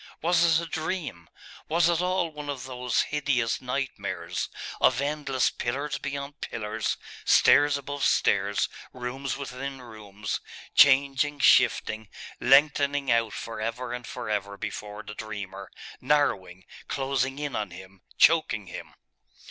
Was it a dream? Was it all one of those hideous nightmares of endless pillars beyond pillars, stairs above stairs, rooms within rooms, changing, shifting, lengthening out for ever and for ever before the dreamer, narrowing, closing in on him, choking him?